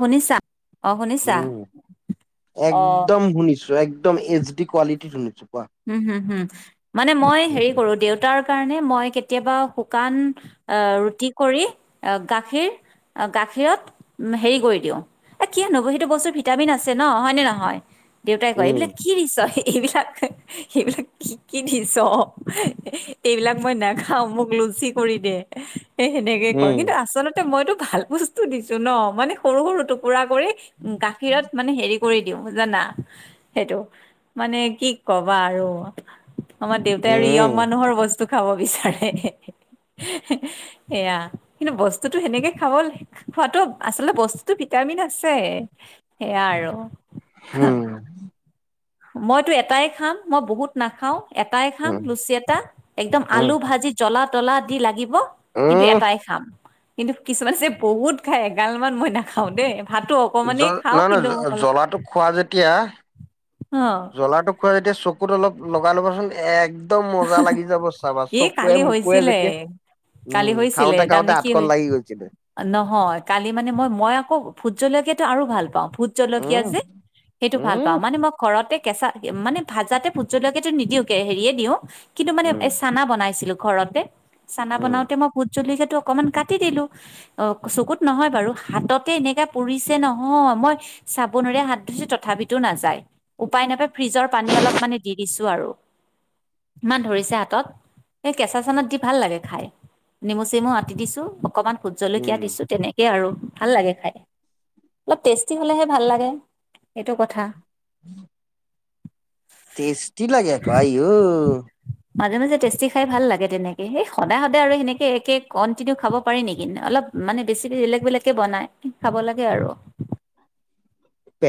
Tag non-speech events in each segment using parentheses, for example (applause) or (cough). শুনিছা অ শুনিছা উম, অ একদম শুনিছোঁ এক একদম এইচ ডি কোৱালিটিত শুনিছোঁ কোৱা। উম, হ'ম, হ'ম মানে মই উম হেৰি কৰোঁ দিয়ক। তাৰ কাৰণে মই কেতিয়াবা শুকান আহ ৰুটি কৰি আহ গাখীৰ অ' গাখীৰত উম, হেৰি কৰি দিও, এই কিয় নোহব সেইটো বস্তুত ভিটামিন আছে ন হয়নে নহয়? দেউতাই কয় উম এইবিলাক কি দি চৰ? এইবিলাক সেইবিলাক কি কি দি চৰ, এইবিলাক মই নাখাওঁ। মোক লুচি পুৰি দে। এই সেনেকে কয়। উম। কিন্তু, আচলতে মইতো ভাল বস্তু দিছোঁ ন মানে সৰু সৰু টুকুৰা কৰি। উম, গাখীৰত মানে হেৰি কৰি দিওঁ জানা, সেইটো মানে কি ক'বা আৰু, আমাৰ দেউতাই উম আৰু ইয়ং মানুহৰ বস্তু খাব বিচাৰে। সেয়া কিন্তু বস্তুটো সেনেকে খাব খোৱাটো আচলতে বস্তুটো ভিটামিন আছে, সেয়া আৰু। (unintelligible) মইতো এটাই খাম, মই বহুত নাখাও। এটাই খাম, উম লুচি এটা। একদম উম আলু ভাজি, জ্বলা তলা দি লাগি ব কিন্তু উম এটাই খাম। কিন্তু কিছুমান যে বহুত খায় এগালমান মই নাখাও দেই ভাতো অ জ নহয় নহয় জ জ্বলাটো খোৱা যেতিয়া, অ জ্বলাটো খোৱা যেতিয়া চকুত অলপ লগাই ল'বচোন এক দম মজা লাগি যাব চাবা, এই চকুৱে কালি মকুৱে হৈছিলে যেতিয়া কালি উম হৈছিলে খাওঁতে খাওঁতে তাৰমানে কি হাতখন হৈ লাগি গৈছিলে। নহয়, কালি মানে মই মই আকৌ ভূত জলকীয়াতো আৰু ভাল পাওঁ ভোত জলকীয়া উম যে, সেইটো ভাল উম। পাওঁ। মানে মই ঘৰতে কেঁচা মানে ভাজাতে ভূত জলকীয়াটো নিদিও কে হেৰিয়ে দিওঁ কিন্তু মানে উম এ চানা বনাইছিলো ঘৰতে, চানা বনাওতে উম। মই ভোত জলকীয়াটো অকমান কাটি দিলো, অ' চকুত নহয় বাৰু হাততে এনেকা পুৰিছে নহয়, মই চাবনেৰে হাত ধুইছো তথাপিতো নাযায়। উপায় নাপায় ফ্ৰিজৰ পানী অলপ মানে দি দিছোঁ আৰু। ইমান ধৰিছে হাতত এই কেঁচা চেনাত দি ভাল লাগে খাই। নেমু চেমু আতি দিছো। অকমান ভূত জলকীয়া উম দিছোঁ তেনে কেই আৰু ভাল লাগে খাই, অলপ টেষ্টি হ'লেহে ভাল লাগে এইটো কথা। উম (unintelligible) টেষ্টি ক' আইও মাজে মাজে টেষ্টি খাই ভাল লাগে তেনেকেই এই সদায় সদায় আৰু সেনেকে একে কণ্টিনিউ খাব পাৰি নেকি? অলপ মানে বেছি বেলেগ বেলেগে বনায়, খাব লাগে আৰু।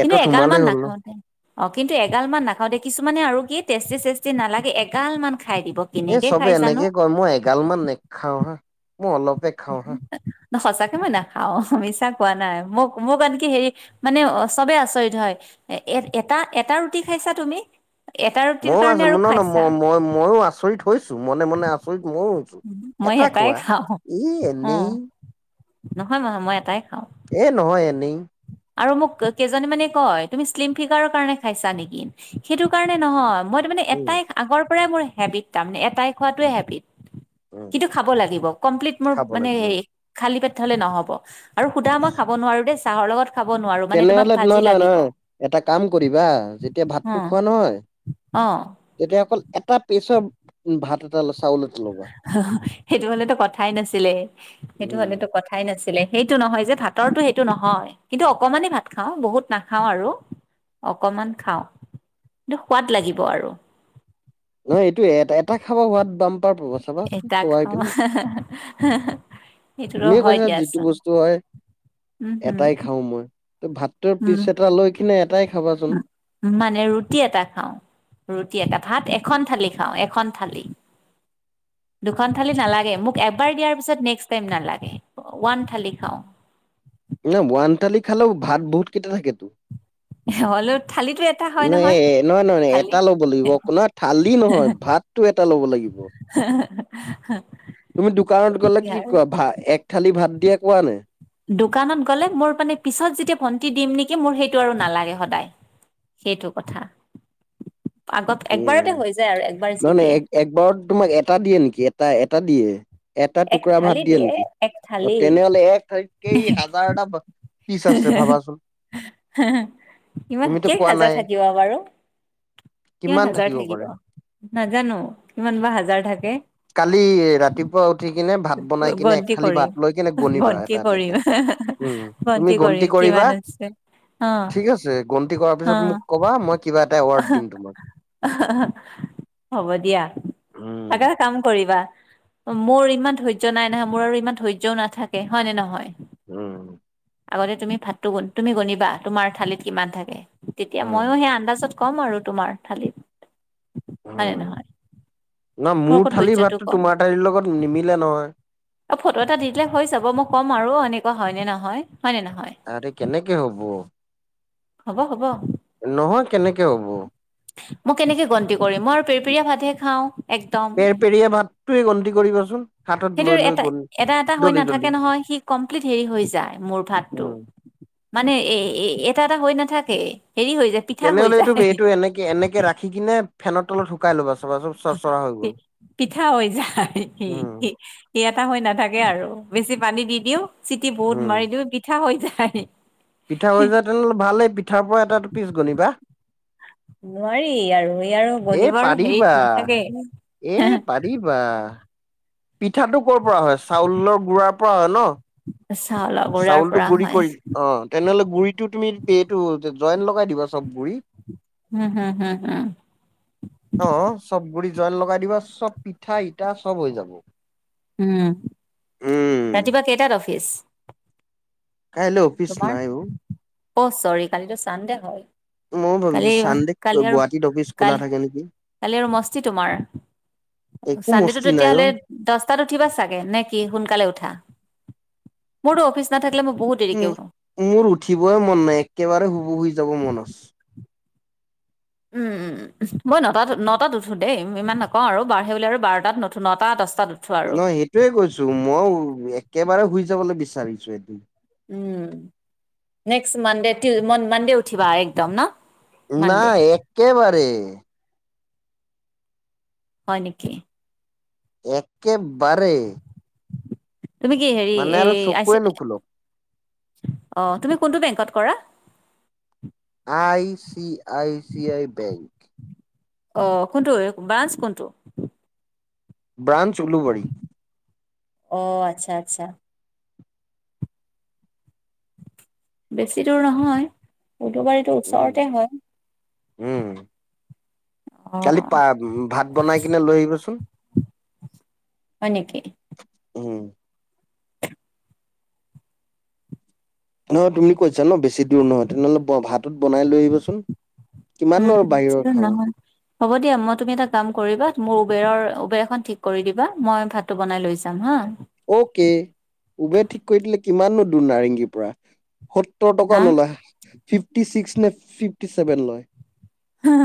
কিন্তু এগাল মান সোমালেই হ'ল ন। নাখাও দেই। অ' কিন্তু এগাল মান নাখাও দেই কিছুমানে আৰু কি টেষ্টি চেষ্টি নালাগে, এগাল মান খাই দিব। এ কেনেকে চ'বে খাই জানো এনেকে কয়, মই এগাল মান নেখাও হাঁ, মই অলপে খাওঁ হাঁ। সঁচাকে মই নেখাওঁ, মিছা কোৱা নাই মোক মোক আনকি হেৰি মানে অ' চবে আচৰিত হয়, এ এ এটা এটা ৰুটি খাইছা তুমি? এটা ৰুটিৰ ময়ো আছ কাৰণে আৰু নয় নয় ম খাইছা মই মইয়ো আচৰিত হৈছো মনে মনে আছ ৰিত ময়ো হৈছো, মই এটা এটাই কোৱা। খাওঁ ই অ এনেই নহয় মানে মই এটাই খাওঁ। এ নহয় এনেই। আৰু মোক কেইজনী মানে কয়, তুমি শ্লিম ফিংগাৰৰ কাৰণে খাইছা নেকি? সেইটো কাৰণে নহয়, মই ত' মানে উম এটাই আগৰ পৰাই মোৰ হেবিট তাৰমানে, এটাই খোৱা তোৱে হেবিট উম কিন্তু খাব লাগিব, কমপ্লিট মোৰ খাব মানে লাগিব এই উম খালী পেট হলে নহ'ব। আৰু শুদা মই খাব নোৱাৰো দেই চাহৰ লগত খাব নোৱাৰো। মানে তোমাক তেনেহ'লে ভাজি নহয় নহয় লাগিব নহয়। এটা কাম কৰিবা যেতিয়া ভাতটো খোৱা নহয় অঁ তেতিয়া অক'ল এটা পেচৰ উম ভাত এটা চাউল সহ, সেইটো হ'লেত' কথাই নাছি, লে সেইটো উম হ'লেত' কথা কথাই নাছিলে। সেইটো নহয় যে ভাতৰটো সেইটো নহয় কিন্তু অকমানেই ভাত খাওঁ বহুত নাখাওঁ আৰু অকমান খাওঁ। ন্তু সোৱাদ লাগিব আৰু। নহয়, এইটো এট এটাই খাব হোৱাত বাম্পাৰ পাব। চাবা এটাক চোৱাই খাও। পিনে যিটো বস্তু হয়। উম হম এটাই খাও মই। ত, ভাতটোৰ উম পিছ এটা লৈ কিনে এটাই খাবাচোন। মানে ৰুটি এটা খাওঁ। ৰুটি এটা ভাত এখন থালি খাওঁ। এখন থালি। দুখন থালি নালাগে। মোক, এবাৰ দিয়া পিছত নেক্স টাইম নালাগে ওৱান থালি খাওঁ। না ওৱান থালি খালেও ভাত বহুত কেইটা থাকেতো। (unintelligible) থালিটো এটা হয় না নহয় নহয় থালি এটা ল'ব লাগিব। আপোনাৰ থালি নহয়। ভাত টো এটা ল'ব লাগিব। (unintelligible) তুমি দোকানত গ'লে তেনেকে কি আৰু কোৱা ভাত এক থালি ভাত দিয়ে কোৱা নে? দোকানত গ'লে মোৰ মানে পিছত যেতিয়া ভণ্টি দিম নেকি মোৰ সেইটো আৰু নালাগে সদায়। সেইটো কথা আগত উম একবাৰতে হৈ যায়, আৰু একবাৰ নহয় যি নহয় দিয়ে। এক একবাৰত তোমাক এটা দিয়ে নেকি? এটা এটা দিয়ে। এটা এক টুকুৰা ভাত থালি দিয়ে নেকি? এক অ, থালি তেনে হ'লে এক চালিত কেই হাজাৰটা পিছ আছে। ভাবাচোন, তুমিতো কোৱা নাই। যোৱা বাৰু কিমান হাজাৰ থাকিব। নাজানোঁ কিমান বা হাজাৰ থাকে? কালি ৰাত ৰাতিপুৱা উঠি কিনে ভাত বনাই কিনে এক গন্তি থালি কৰিম ভাত লৈ কিনে গণিবা গন্তি এটা কৰিম এটাকে উম, তুমি কৰিম গন্তি কিমান কৰিবা। আছে অ ঠিক আছে। গন্তি কৰাৰ অ পিছত মোক কবা, মই কিবা এটা এৱাৰ্ড দিম তোমাক। হ'ব দিয়া। উম', এটা কাম কৰিবা মোৰ ইমান ধৈৰ্য্য নাই নহয়। মোৰ আৰু ইমান ধৈৰ্য্যও নাথাকে হয় নে নহয়? উম', আগতে তুমি ভাতটো তুমি গণিবা তোমাৰ থালিত কিমান থাকে। তেতিয়া মইয়ো, উম, সেই আন্দাজত কম আৰু তোমাৰ থালিত হয়নে নহয়? নহয়। মোৰ আগত থালিৰ সহ্যটো ভাতটো কম তোমাৰ থালিৰ লগত নিমিলে নহয়। অ', ফটো এটা দি দিলে হৈ যাব। মই ক'ম আৰু এনেকুৱা হয় নে নহয়, হয় নে নহয়? আৰে কেনেকে হ'ব। হ'ব, হ'ব। নহয়, কেনেকে হ'ব। মই কেনেকে গন্তি কৰিম। মই আৰু পেপেৰিয়া ভাতহে খাওঁ। একদম পেৰিয়া ভাতটোয়ে গন্তি কৰিবাচোন। হাতত সেইটো লৈ লৈ এটা গন এটা এটা হৈ দলি দলি নাথাকে নহয়। সি কমপ্লিট হেৰি হৈ যায় মোৰ ভাতটো। উম। মানে এ, এটা এটা হৈ নাথাকে। হেৰি হৈ যায় পিঠা হৈ কেনেহ'লে যায় এইটো এইটো এনেকে এনেকে ৰাখি কিনে ফেনৰ তলত শুকাই ল'বা চাবাচোন। পি পিঠা হৈ যায়। উম, এটা হৈ নাথাকে, আৰু বেছি পানী দি দিওঁ, চিটি বহুত উম। মাৰি দিওঁ, পিঠা হৈ যায়। পিঠা হৈ যায়। তেনেহ'লে ভালেই পিঠাৰ পৰা এটা পিচ গনিবা। নোৱাৰি আৰু এই আৰু এই গণিবৰ হেৰিত নাথাকে। এই বা পিঠাটো ক'ৰপৰা হয়। চাউলৰ গুড়াৰ পৰা হয় ন। চাউলৰ গুড়াৰ চাউলটো পৰা গুৰি কৰি হয় অ' তেনেহ'লে গুৰিটো তুমি এইটো জইণ্ট লগাই দিবা চ'ব গুড়ি হুম, হুম, হুম অ' চ'ব গুড়ি জইণ্ট লগাই দিবা চ'ব পিঠা ইটা চ'ব হৈ যাব উম, উম ৰাতিপুৱা কেইটাত অফিচ কাইলৈ অফিচ তোমাৰ নাই অ অ চৰি কালিতো চানডে হয় ময়ো কালি, ভাবিছো চানডে কালি আৰু গুৱাহাটীত অফিচ কা খোলা থাকে নেকি কালি আৰু মস্তি তোমাৰ একো চানডেটো মস্তি নাই অ তেতিয়াহ'লে দহটাত উঠিবা চাগে নে কি সোনকালে উঠা মোৰতো অফিচ নাথাকিলে মই বহুত দেৰিকে উম উঠো মোৰ উঠিবই মন নাই একেবাৰে শুব শুই যাব মন আছ উম উম মই নটাত, নটাত উঠো দেই ইমান নকওঁ আৰু বাঢ়ে বুলি আৰু বাৰটাত নুঠো নটা দহটাত উঠো আৰু নহয় এইটোয়ে কৈছোঁ মই একেবাৰে শুই যাবলৈ বিচাৰিছোঁ এইটো উম, নেক্সট মানডে টি মানডে উঠিবা একদম ন মানডে নাই, একেবাৰে হয় নেকি একেবাৰে তুমি কি হেৰি মানে এই আৰু আই চি চকুৱে নোখোলক অ', তুমি কোনটো বেংকত কৰা I C I C I bank অ', কোনটো ব্ৰাঞ্চ কোনটো ব্ৰাঞ্চ উলুবাৰী অ', আচ্ছা, আচ্ছা বেছি দূৰ নহয় উলুবাৰীত টো, উম ওচৰতে হয় উম কালি অঁ পা ভাত বনাই কিনে লৈ আহিবাচোন হয় নেকি উম নহয় তুমি কৈছা ন বেছি দূৰ নহয় তেনেহ'লে ব ভাত বনাই লৈ আহিবাচোন কিমাননো উম আৰু বেছি বাহিৰৰ দূৰ খাওঁ নহয় হ'ব দিয়া, মই তুমি এটা কাম কৰিবা মোৰ উবেৰৰ উবেৰ এখন ঠিক কৰি দিবা মই ভাতটো বনাই লৈ যাম হা ঔকে উবেৰ ঠিক কৰি দিলে কিমাননো দূৰ নাৰেংগীৰ পৰা সত্তৰ টকা নলয়, ফিফটি চিক্স নে ফিফটি চেভেন লয় হা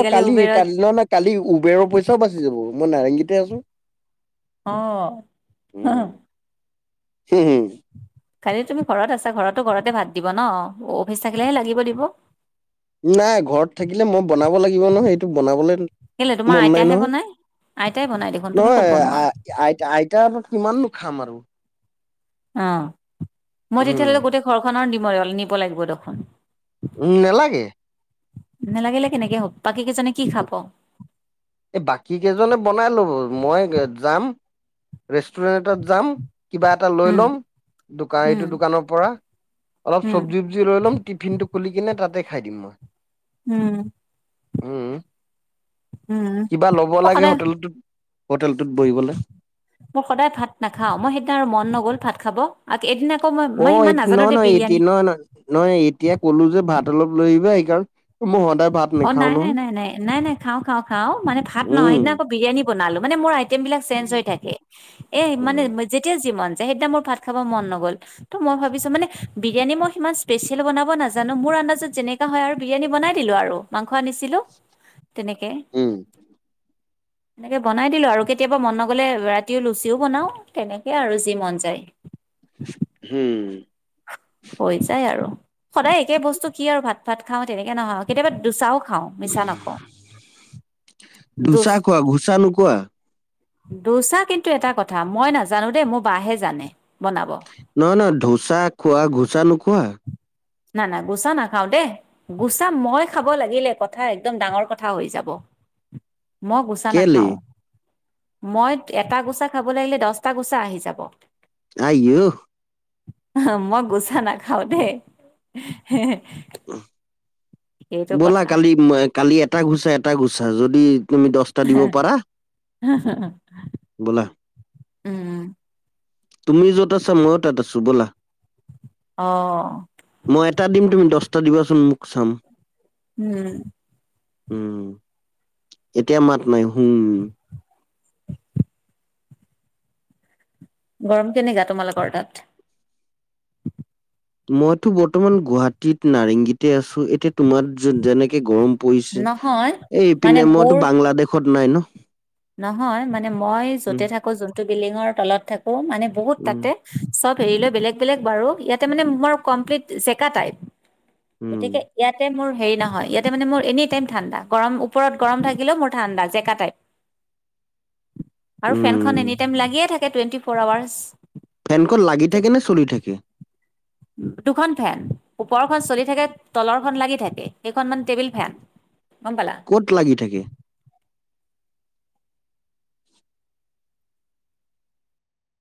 অ কালি উবেৰত কালি ন ন কালি উবেৰৰ পইচাও বাচি যাব মই নাৰেঙ্গীতহে আছোঁ অ' হুম, হুম কালিটো তুমি ঘৰত আছা ঘৰতো ঘৰতে ভাত দিব ন, অফিচ থাকিলেহে লাগিব দিব (unintelligible) নাই ঘৰত থাকিলে মই বনাব লাগিব নহয় সেইটো বনাবলৈ কেলে তোমাৰ মন নাই আইতাহে নহয় বনাই আইতাই বনাই দিব তুমি ক'ত ব আ আইতা আইতাৰ কিমাননোখাম আৰু অ', মই উম তেতিয়াহ'লে গোটেই ঘৰখনৰ নিম নিব লাগিব দেখোন উম নেলাগে নেলাগিলে কেনেকে হ'ব, বাকী কেইজনে কি খাব? এ বাকী কেইজনে বনাই ল'ব, মই যাম! ৰেষ্টুৰেণ্ট এটাত যাম, কিবা এটা লৈ উম ল'ম দোকা উম এইটো দোকানৰ পৰা অলপ উম চবজি (unintelligible) লৈ ল'ম টিফিনটো খুলি কিনে তাতে খাই দিম মই! উম! উম উম কিবা ল'ব মই লাগে সদায় হোটেলটোত, হোটেলটোত বহিবলৈ! মই সদায় ভাত নাখাওঁ, মই সেইদিনা মন নগ'ল ভাত খাব আ এদিনা, অ', এইট ন নয় এতি ন, (unintelligible) ন! নহয় এতিয়া কলোঁ যে ভাত অলপ লৈ আহিবা, সেইকাৰণ মই সদায় ভাত অ নাখাও নাই নাই নহয় নাই নাই নাই নাই খাওঁ খাওঁ খাওঁ, মানে ভাত নহয় উম সেইদিনা আকৌ বিৰিয়ানী বনালো মানে মোৰ, এই বিলাক চেঞ্জ হৈ থাকে, এ মানে উম যেতিয়া যি মন যায় সেইদিনা মোৰ ভাত খাব মন নগ'ল। ত মই ভাবিছো মানে বিৰিয়ানী মই সিমান স্পেচিয়েল বনাব নাজানো, মোৰ আন্দাজত যেনেকে, হয় আৰু বিৰিয়ানী বনাই দিলো আৰু, মাংস আনিছিলো তেনেকে। উম এনেকৈ বনাই দিলোঁ আৰু কেতিয়াবা মন নগ'লে ৰাতিও লুচিও বনাওঁ। তেনেকৈ আৰু যি মন যায়। হম। হৈ যায় আৰু। সদায় একে বস্তু কি আৰু ভাত ভাত খাওঁ তেনেকে নহয় কেতিয়াবা দুচাও, খাওঁ মিছা নকওঁ, দুষ ধোচা খোৱা ঘোচা নোখোৱা ধোচা কিন্তু এটা কথা। মই নাজানো দেই মোৰ বা হে জানে বনাব। নহয় নহয় ধোচা খোৱা ঘোচা নোখোৱা। ন না ঘোচা নাখাওঁ দেই। ঘোছা মই খাব লাগিলে, কথা একদম ডাঙৰ কথা হৈ যাব। মই ঘোচা কেলে নাখাও। মই এটা ঘোচা খাব লাগিলে দহটা ঘোছা আহি যাব। আইয়ুহ। মই ঘোছা নাখাও দেই। হে হে। ব'লা কালি এ কালি এটা ঘোছা এটা ঘোছা যদি তুমি দহ, হেহ হেহ ব'লা উম, তুমি য'ত আছা মইয়ো তাত আছো ব'লা। অঁ। মই এটা দিম তুমি দহটা দিবাচোন মোক চাম। উম। উম এতিয়া মাত নাই হুম। গৰম কেনেকা তোমালোকৰ তাত। মইতো বৰ্তমান গুৱাহাটীত নাৰেংগীতে আছো। এতিয়া তোমাৰ যেনেকে গৰম, পৰিছে, নহয় এই মানে ইপিনে মোৰ মইতো বাংলাদেশত নাই ন। নহয়! মানে মই উম, য'তে থাকো যোনটো বিল্ডিঙৰ তলত থাকো, মানে বহুত উম, তাতে, চব এৰি লৈ বেলেগ বেলেগ বাৰু, ইয়াতে মানে মোৰ কমপ্লিট জেকা টাইপ। উম, গতিকে, ইয়াতে মোৰ হেৰি নহয়। ইয়াতে মানে মোৰ এনি টাইম ঠাণ্ডা গৰম ওপৰত গৰম থাকিলেও, মোৰ ঠাণ্ডা জেকা টাইপ। আৰু ফেনখন উম। এনি টাইম লাগিয়ে থাকে, টুৱেণ্টি ফ'ৰ আৱাৰ্চ। ফেনখন লাগি থাকে নে, চলি থাকে। দুখন ফেন, ওপৰখন চলি থাকে তলৰখন লাগি থাকে। সেইখন মান টেবিল ফেন। গম পালা। ক'ত লাগি থাকে?